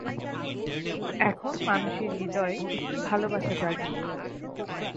এখন মানুষের হৃদয়ে একটু ভালবাসা জাগিল।